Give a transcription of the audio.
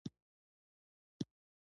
نجلۍ د کورنۍ برکت ده.